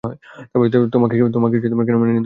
তোমাকে কেন মেনে নিতে হবে?